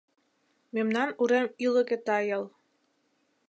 Мемнан урем ӱлыкӧ тайыл -